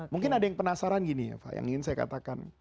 mungkin ada yang penasaran gini ya pak yang ingin saya katakan